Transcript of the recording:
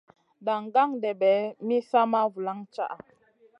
Daŋ gan-ɗèɓè mi sa ma vulaŋ caʼa.